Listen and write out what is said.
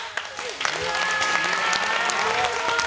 すごい！